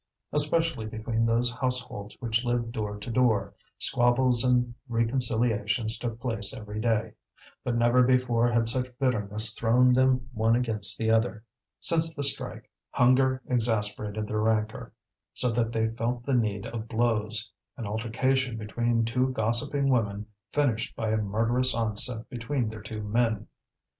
Especially between those households which lived door to door, squabbles and reconciliations took place every day. But never before had such bitterness thrown them one against the other. Since the strike hunger exasperated their rancour, so that they felt the need of blows; an altercation between two gossiping women finished by a murderous onset between their two men.